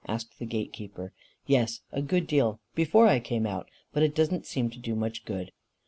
asked the gate keeper. "Yes, a good deal before I came out. But it does not seem to do much good."